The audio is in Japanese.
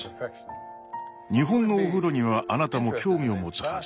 日本のお風呂にはあなたも興味を持つはず。